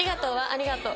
「ありがとう」。